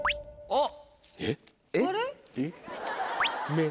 あっ！